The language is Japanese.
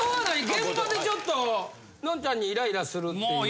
現場でちょっとのんちゃんにイライラするっていう。